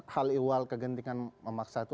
hal iwal kegentingan memaksa itu